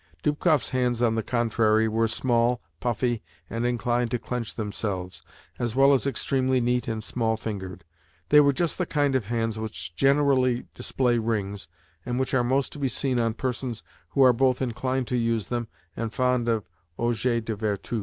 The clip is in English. Dubkoff's hands, on the contrary, were small, puffy, and inclined to clench themselves, as well as extremely neat and small fingered. They were just the kind of hands which generally display rings, and which are most to be seen on persons who are both inclined to use them and fond of objets de vertu.